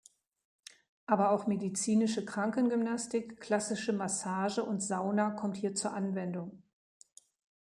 Aber auch medizinische Krankengymnastik, klassische Massage und Sauna kommt hier zur Anwendung.